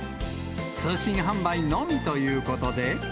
通信販売のみということで。